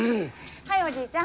はいおじいちゃん。